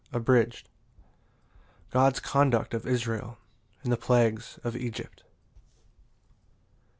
Abridged. God's conduct of Israel, and the plagues of Egypt.